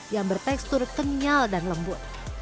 yang bertekstur kenyal dan lembut